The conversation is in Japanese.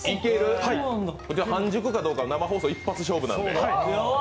半熟かどうか、生放送一発勝負なんで。